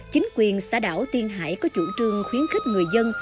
chính quyền xã đảo tiên hải có chủ trương khuyến khích người dân